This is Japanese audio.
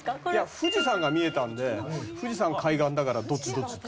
富士山が見えたんで富士山海岸だからどっちどっち？って。